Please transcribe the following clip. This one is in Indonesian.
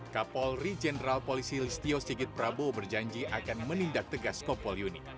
kapolri jenderal polisi listio sigit prabowo berjanji akan menindak tegas kompol yuni